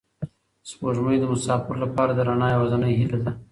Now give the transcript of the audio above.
سپوږمۍ د مساپرو لپاره د رڼا یوازینۍ هیله ده.